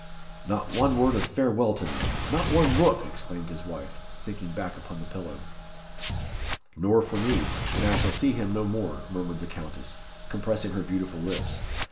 "Not one word of farewell to me! not one look!" exclaimed his wife, sinking back upon the pillow. "Nor for me and I shall see him no more," murmured the Countess, compressing her beautiful lips.